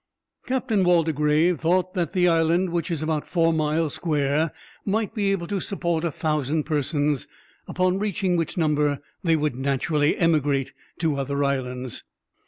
Captain Waldegrave thought that the island, which is about four miles square, might be able to support a thousand persons, upon reaching which number they would naturally emigrate to other islands.